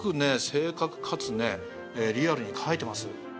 正確かつねリアルに描いてます。